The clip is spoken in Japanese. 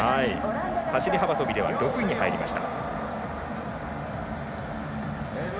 走り幅跳びでは６位に入りました。